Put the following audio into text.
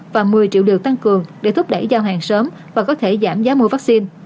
và một mươi triệu được tăng cường để thúc đẩy giao hàng sớm và có thể giảm giá mua vaccine